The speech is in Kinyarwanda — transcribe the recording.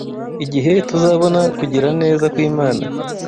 Igihe tuzabona kugira neza kw’Imana